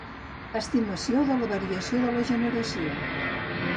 Estimació de la variació de la generació.